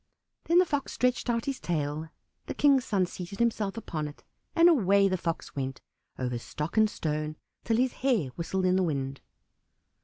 Then the Fox stretched out his tail, the King's son seated himself upon it, and away the Fox went, over stock and stone, till his hair whistled in the wind.